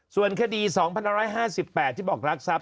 ส่วนคดี๒๑๕๘ที่บอกรักทรัพย